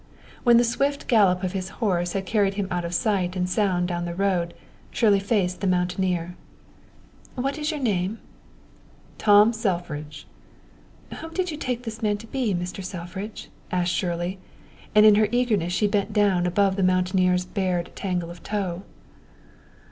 When the swift gallop of his horse had carried him out of sight and sound down the road, Shirley faced the mountaineer. "What is your name?" "Tom Selfridge." "Whom did you take that man to be, Mr. Selfridge?" asked Shirley, and in her eagerness she bent down above the mountaineer's bared tangle of tow.